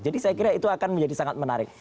jadi saya kira itu akan menjadi sangat menarik